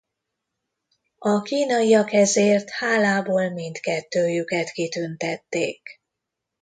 A kínaiak ezért hálából mindkettőjüket kitüntették.